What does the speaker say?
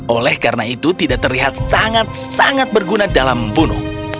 oleh karena itu tidak terlihat sangat sangat berguna dalam membunuh